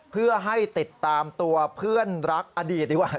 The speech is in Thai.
เพื่อให้ติดตามตัวเพื่อนรักอดีตดีกว่า